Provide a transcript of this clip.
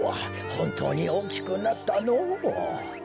ほんとうにおおきくなったのう。